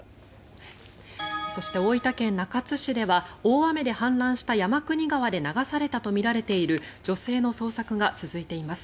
そして、大分県中津市では大雨で氾濫した山国川で流されたとみられている女性の捜索が続いています。